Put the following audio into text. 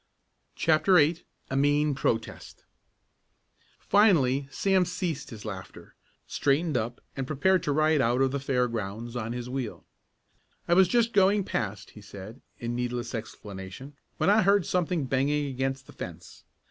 CHAPTER VIII A MEAN PROTEST Finally Sam ceased his laughter, straightened up and prepared to ride out of the fairgrounds on his wheel. "I was just going past," he said, in needless explanation, "when I heard something banging against the fence.